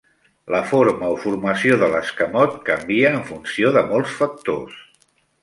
La forma o formació de l'escamot canvia en funció de molts factors.